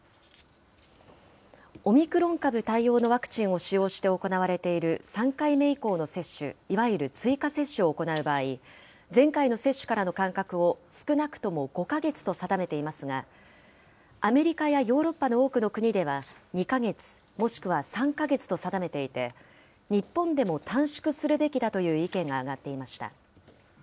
オミクロン株対応のワクチンを使用して行われている３回目以降の接種、いわゆる追加接種を行う場合、前回の接種からの間隔を少なくとも５か月と定めていますが、アメリカやヨーロッパの多くの国では２か月、もしくは３か月と定めていて、日本でも短縮するべきだという意見が上がっていました。